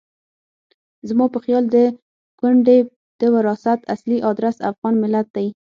زما په خیال د کونډې د وراثت اصلي ادرس افغان ملت دی.